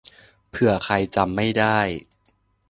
เผื่อใครจำไม่ได้